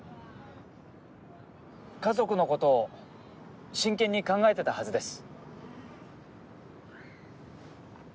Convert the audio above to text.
家族の事を真剣に考えてたはずです。